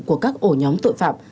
của các ổ nhóm tội phạm